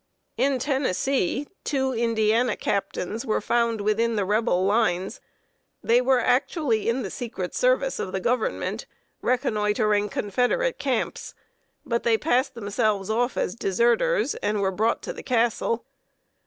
In Tennessee two Indiana captains were found within the Rebel lines. They were actually in the secret service of the Government, reconnoitering Confederate camps; but they passed themselves off as deserters, and were brought to the Castle.